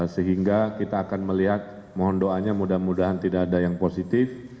sehingga kita akan melihat mohon doanya mudah mudahan tidak ada yang positif